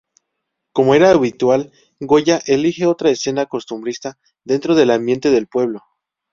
Como era habitual, Goya elige otra escena costumbrista dentro del ambiente del pueblo.